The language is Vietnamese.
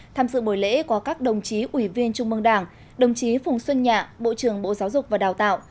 tham dự buổi lễ có các đồng chí ủy viên trung mương đảng đồng chí phùng xuân nhạ bộ trưởng bộ giáo dục và đào tạo